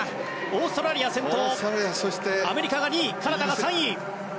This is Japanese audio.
オーストラリア、先頭アメリカが２位、カナダ３位。